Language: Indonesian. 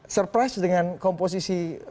surprise dengan komposisi barunya